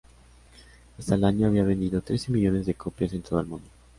Hasta el año había vendido trece millones de copias en todo el mundo.